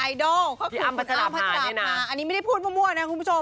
มีไอดอลก็คือพี่อ้ำพันธาปนาอันนี้ไม่ได้พูดมั่วนะคุณผู้ชม